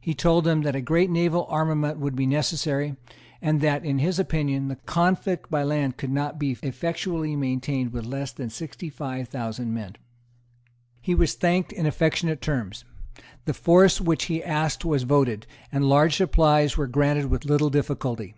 He told them that a great naval armament would be necessary, and that, in his opinion, the conflict by land could not be effectually maintained with less than sixty five thousand men. He was thanked in affectionate terms; the force which he asked was voted; and large supplies were granted with little difficulty.